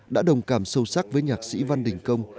đã đồng cảm sâu sắc với nhạc sĩ văn đình công